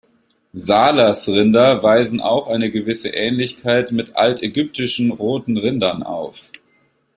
Salers-Rinder weisen auch eine gewisse Ähnlichkeit mit altägyptischen roten Rindern auf.